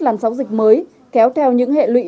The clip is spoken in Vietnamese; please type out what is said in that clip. làn sóng dịch mới kéo theo những hệ lụy